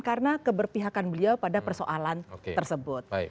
karena keberpihakan beliau pada persoalan tersebut